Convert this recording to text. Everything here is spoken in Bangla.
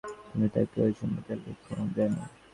তুমি তাঁকে ঐ সম্বন্ধে লিখো যেন।